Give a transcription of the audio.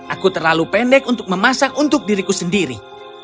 aku terlalu pendek untuk memasak untuk diriku sendiri